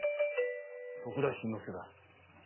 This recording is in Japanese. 徳田新之助だ。